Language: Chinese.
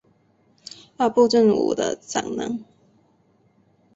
阿部正武的长男。